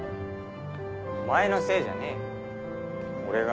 お前のせいじゃねえよ俺が。